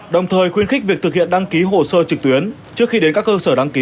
đồng thời khuyến khích việc thực hiện đăng ký hồ sơ trực tuyến trước khi đến các cơ sở đăng ký